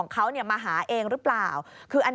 นี่ค่ะคุณผู้ชมพอเราคุยกับเพื่อนบ้านเสร็จแล้วนะน้า